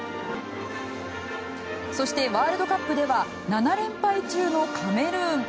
そしてワールドカップでは７連敗中のカメルーン。